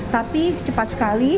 tapi cepat sekali